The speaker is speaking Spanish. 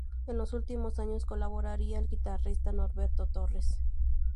En los últimos años colaboraría el guitarrista Norberto Torres.